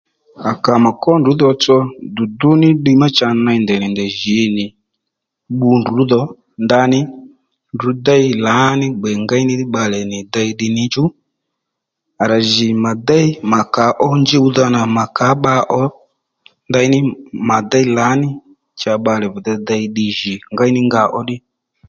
À kà mà kwó ndrǔ tsotso ddiy ma cha ney ndèynì ndèy jǐ nì bbu ndrǔ dho ndaní ndrǔ déy lǎní gbè ngéy ní bbalè nì dey ddiy ní chú à rà jì mà déy mà kà ó njuwdha nà mà kà ó bba ó ndeyní mà déy lǎní cha bbalè vi de dey ddiy jì ngéy ní nga ó ddí